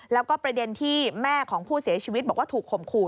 แล้วก็ประเด็นที่แม่ของผู้เสียชีวิตบอกว่าถูกข่มขู่